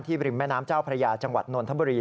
บริมแม่น้ำเจ้าพระยาจังหวัดนนทบุรี